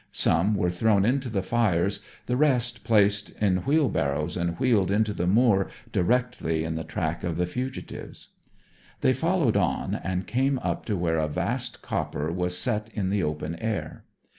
Some was thrown into the fires, the rest placed in wheel barrows and wheeled into the moor directly in the track of the fugitives. They followed on, and came up to where a vast copper was set in the open air.